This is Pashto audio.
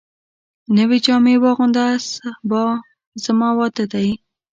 نوي جامي واغونده ، سبا زما واده دی